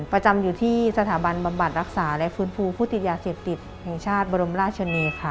ประจำอยู่ที่สถาบันบังบัตรรักษาและฟื้นภูติยาเสียติดแห่งชาติบรมราชเนค